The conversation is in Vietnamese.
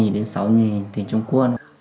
năm sáu thì trung quân